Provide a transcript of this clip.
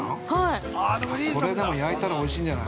◆これ、焼いたらおいしいんじゃない。